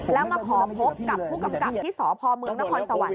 แล้วมาขอพบกับผู้กำกับที่สพเมืองนครสวรรค